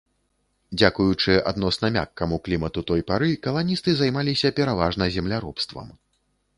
Дзякуючы адносна мяккаму клімату той пары, каланісты займаліся пераважна земляробствам.